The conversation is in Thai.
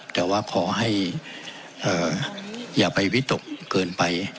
แต่ว่าขอให้อย่าไปวิตกเกินไป